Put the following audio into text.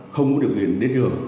không có điều kiện đến trường